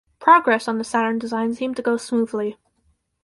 Progress on the Saturn design seemed to go smoothly.